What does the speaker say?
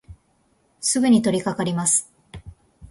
すぐにとりかかります。